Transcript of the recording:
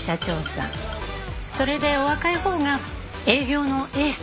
それでお若いほうが営業のエース。